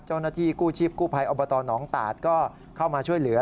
เจ้าหน้าที่กู้ชีพกู้ภัยอบตหนองตาดก็เข้ามาช่วยเหลือ